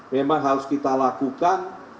memang harus kita lakukan